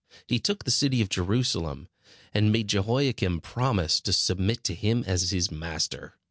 He took the city of Jerusalem, and made Jehoiakim promise to submit to him as his master.